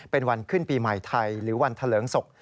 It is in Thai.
เป็นวันขึ้นปีใหม่ไทยหรือวันเถลิงศพ